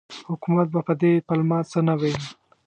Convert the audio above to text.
حکومت به په دې پلمه څه نه ویل.